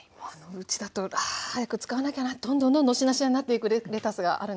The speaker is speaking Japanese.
うちだとあ早く使わなきゃなどんどんどんどんしなしなになっていくレタスがあるんですが。